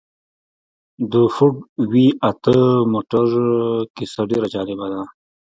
د فورډ وي اته موټر کيسه ډېره جالبه ده.